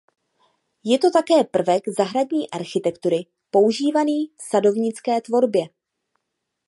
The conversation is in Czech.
Je to také prvek zahradní architektury používaný v sadovnické tvorbě.